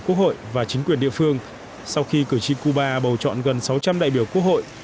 quốc hội và chính quyền địa phương sau khi cử tri cuba bầu chọn gần sáu trăm linh đại biểu quốc hội